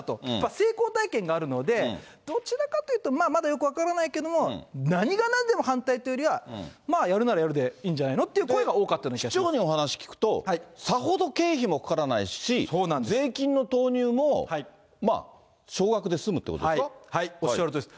成功体験があるので、どちらかというと、まあまだよく分からないけども、何がなんでも反対というよりは、まぁ、やるならやるでいいんじゃないのという声が多かったような気がし市長のお話聞くと、さほど経費もかからないし、税金の投入も、おっしゃるとおりです。